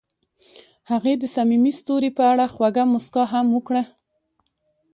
هغې د صمیمي ستوري په اړه خوږه موسکا هم وکړه.